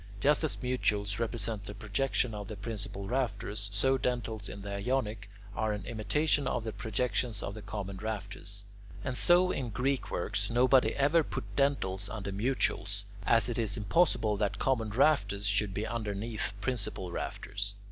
Just as mutules represent the projection of the principal rafters, so dentils in the Ionic are an imitation of the projections of the common rafters. And so in Greek works nobody ever put dentils under mutules, as it is impossible that common rafters should be underneath principal rafters.